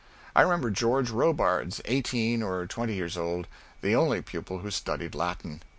I remember George Robards, eighteen or twenty years old, the only pupil who studied Latin.